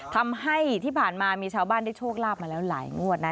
ทำให้ที่ผ่านมามีชาวบ้านได้โชคลาภมาแล้วหลายงวดนะ